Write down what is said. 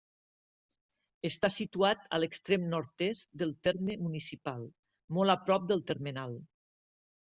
Està situat a l'extrem nord-est del terme municipal, molt a prop del termenal.